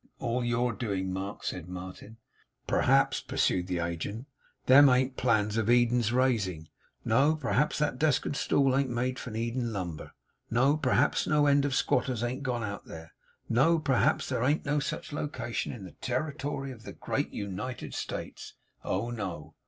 'All your doing, Mark!' said Martin. 'P'raps,' pursued the agent, 'them ain't plants of Eden's raising. No! P'raps that desk and stool ain't made from Eden lumber. No! P'raps no end of squatters ain't gone out there. No! P'raps there ain't no such location in the territoary of the Great U nited States. Oh, no!